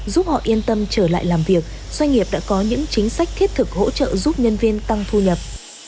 giúp họ yên tâm trở lại làm việc doanh nghiệp đã có những chính sách thiết thực hỗ trợ giúp nhân viên tăng thu nhập